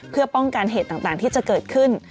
เพื่อป้องกันเหตุต่างที่จะเกิดขึ้น